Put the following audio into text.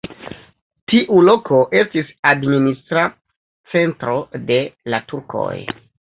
Tiu loko estis administra centro de la turkoj.